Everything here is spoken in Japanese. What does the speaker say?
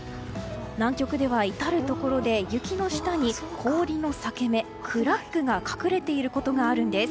南極では至るところで雪の下に氷の裂け目、クラックが隠れていることがあるんです。